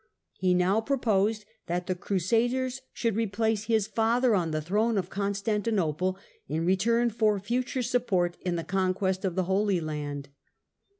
He now proposed that the Crusaders should replace his father on the throne of Constantinople, in return for future support in the conquest of the Holy Land.